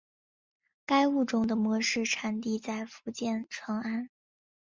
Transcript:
该物种的模式产地在福建崇安。